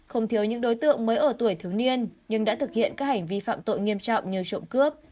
không thiếu những đối tượng mới ở tuổi thiếu niên nhưng đã thực hiện các hành vi phạm tội nghiêm trọng như trộm cướp